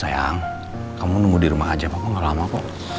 sayang kamu nunggu di rumah ngajak aku gak lama kok